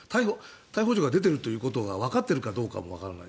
逮捕状が出てるということがわかってるかどうかもわからない。